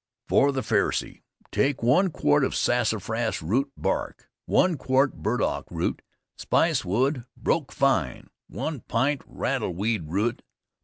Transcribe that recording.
FOR THE FERSEY. Take 1 quart of sassafras root bark, 1 quart burdock root, spice wood broke fine, 1 pint rattle weed root.